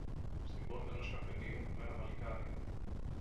στην πόρτα ενός καφενείου μ' ένα παλικάρι.